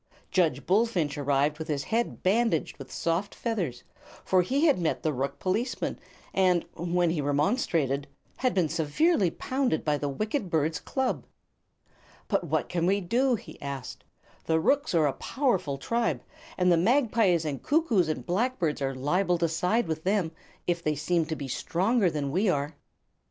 Judge Bullfinch arrived with his head bandaged with soft feathers, for he had met the rook policeman and, when he remonstrated, had been severely pounded by the wicked bird's club. "But what can we do?" he asked. "The rooks are a very powerful tribe, and the magpies and cuckoos and blackbirds are liable to side with them, if they seem to be stronger than we are."